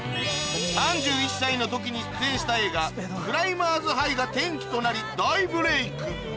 ３１歳の時に出演した映画『クライマーズ・ハイ』が転機となり大ブレイク